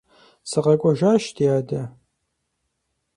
СыкъэкӀуэжащ, ди адэ.